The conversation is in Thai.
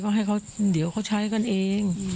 ก็ให้เขาเดี๋ยวเขาใช้กันเอง